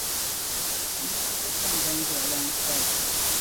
Ni bɛ bo tingbaŋ Zuɣulan' tali.